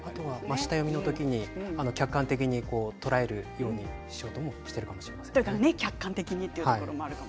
下読みの時に客観的に捉えるようにしようとしてるかもしれませんね。